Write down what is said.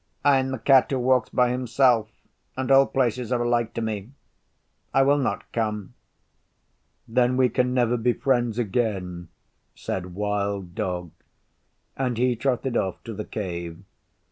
'I am the Cat who walks by himself, and all places are alike to me. I will not come.' 'Then we can never be friends again,' said Wild Dog, and he trotted off to the Cave.